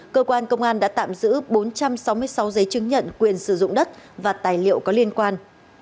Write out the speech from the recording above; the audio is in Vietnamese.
cơ quan công an đã tạm giữ bốn trăm sáu mươi sáu giấy chứng nhận quyền sử dụng đất và tài liệu có liên quan